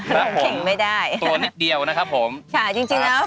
ลงเข่งไม่ได้ครับผมตัวนิดเดียวนะครับผมค่ะจริงแล้ว